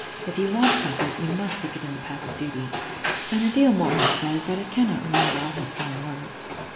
If you want comfort, you must seek it in the path of duty,'—an' a deal more he said, but I cannot remember all his fine words.